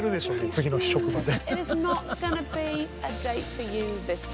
次の日職場で。